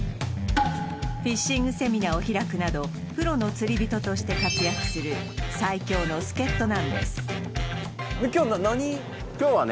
フィッシングセミナーを開くなどプロの釣り人として活躍する今日はね